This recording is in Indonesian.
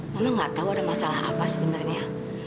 memang nggak tahu ada masalah apa sebenarnya